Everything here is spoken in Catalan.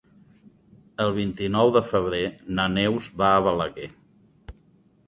El vint-i-nou de febrer na Neus va a Balaguer.